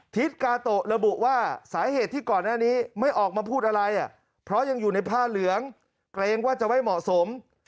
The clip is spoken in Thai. ทิศกาโตะระบุว่าสาเหตุที่ก่อนหน้านี้ไม่ออกมาพูดอะไรเพราะยังอยู่ในผ้าเหลืองเกรงว่าจะไม่เหมาะสม